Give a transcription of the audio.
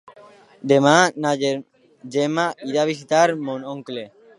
Demà na Gemma irà a visitar mon oncle.